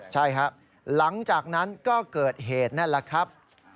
ใช่ครับหลังจากนั้นก็เกิดเหตุนั่นแหละครับ